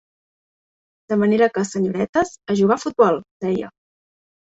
De manera que, senyoretes, a jugar a futbol!, deia.